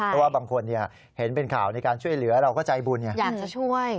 เพราะว่าบางคนเห็นเป็นข่าวในการช่วยเหลือเราก็ใจบุญอยากจะช่วย